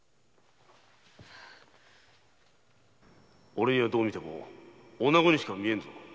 〔俺にはどう見ても女子にしか見えんぞ〕